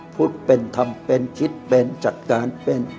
พุทธเป็นทำเป็นคิดเป็นจัดการเป็น